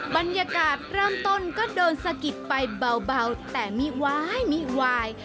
บรรยากาศเริ่มต้นก็โดนสะกิดไปเบาแต่มิวายมิวาย